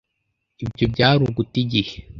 Ibyo byari uguta igihe.